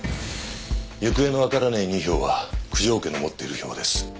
行方のわからない２票は九条家の持っている票です。